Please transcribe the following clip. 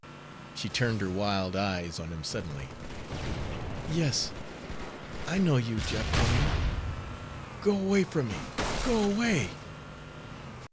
She turned her wild eyes on him suddenly. "Yes, I know you, Jeff Wain. Go away from me! Go away!"